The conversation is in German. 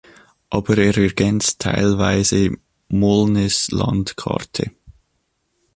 Aber er ergänzt teilweise Meaulnes’ Landkarte.